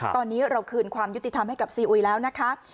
ตอนนี้เราคืนความยุติธรรมให้กับซีอุยแล้วนะคะ